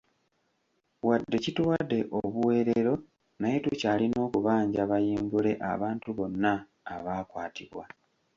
Wadde kituwadde obuweerero naye tukyalina okubanja bayimbule abantu bonna abaakwatibwa.